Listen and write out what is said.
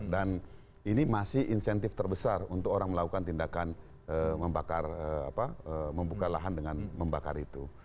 dan ini masih insentif terbesar untuk orang melakukan tindakan membuka lahan dengan membakar itu